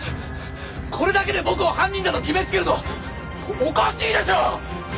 これだけで僕を犯人だと決めつけるのはおかしいでしょう！？